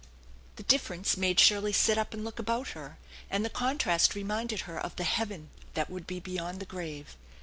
The difference made Shirley sit up and look about her, and the contrast reminded her of the heaven that would be beyond the grave.